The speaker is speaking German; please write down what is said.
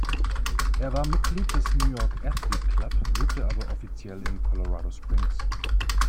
Er war Mitglied des New York Athlete Club, lebte aber offiziell in Colorado Springs.